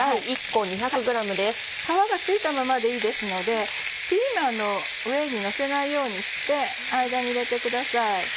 皮が付いたままでいいですのでピーマンの上にのせないようにして間に入れてください。